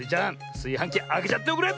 すいはんきあけちゃっておくれ！